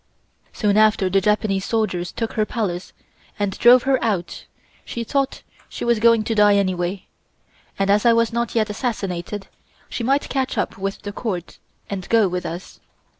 Soon after the Japanese soldiers took her Palace, and drove her out. She thought she was going to die anyway, and as I was not yet assassinated, she might catch up with the Court, and go with us.